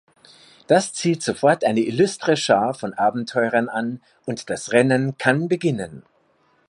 Das zieht sofort eine illustre Schar von Abenteurern an, und das Rennen kann beginnen.